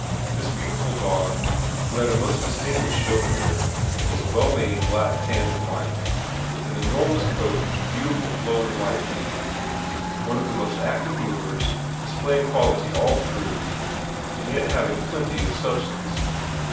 This beautiful dog, who had a most distinguished show career, was a well made black, tan, and white, with an enormous coat and beautiful flowing white mane; one of the most active movers, displaying quality all through, and yet having plenty of substance.